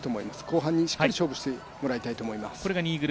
後半にしっかり勝負してもらいたいと思います。